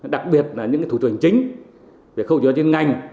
đặc biệt là những cái thủ trường chính về khẩu trường trên ngành